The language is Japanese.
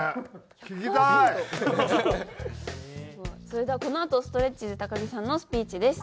それではこのあとストレッチーズ高木さんのスピーチです。